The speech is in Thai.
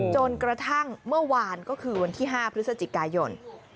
จนกระทั่งเมื่อวานก็คือวันที่๕พฤศจิกายน